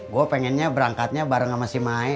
gue pengennya berangkatnya bareng sama si main